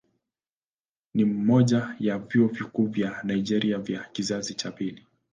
Ni mmoja ya vyuo vikuu vya Nigeria vya kizazi cha pili.